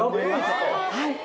はい。